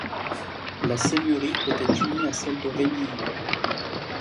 La seigneurie était unie à celle de Remilly.